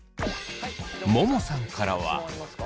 ももさんからは。